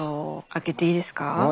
開けていいですか？